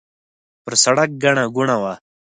پر سړک ګڼه ګوڼه وه.